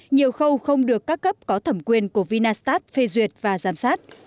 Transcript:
nhiều khâu không được các cấp có thẩm quyền của vinastat phê duyệt và giám sát